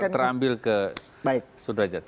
terambil ke sudrajat